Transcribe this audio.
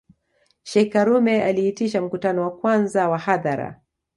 Sheikh karume aliitisha mkutano wa kwanza wa hadhara